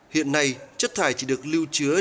hiện nay chất thải chỉ được lưu chứa